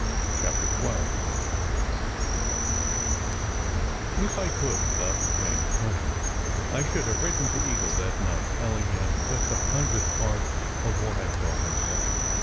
CHAPTER XII IF I could, without betraying Tony, I should have written to Eagle that night, telling him just a hun dredth part of what I thought and felt.